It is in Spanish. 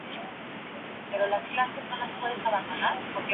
Joan London definió esta defensa como "poco convincente, efectivamente".